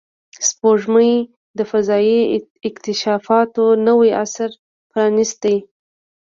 سپوږمۍ د فضایي اکتشافاتو نوی عصر پرانستی